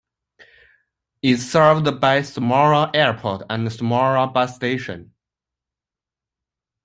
It is served by Smara Airport and Smara bus station.